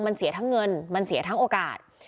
มันเสียทั้งเงินมันเสียทั้งโอกาส